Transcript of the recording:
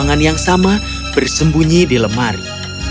tangan yang sama bersembunyi di lemari